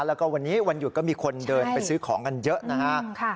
แล้วก็วันนี้วันหยุดก็มีคนเดินไปซื้อของกันเยอะนะฮะ